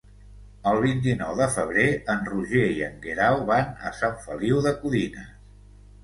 El vint-i-nou de febrer en Roger i en Guerau van a Sant Feliu de Codines.